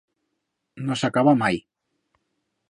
No s'acaba mai.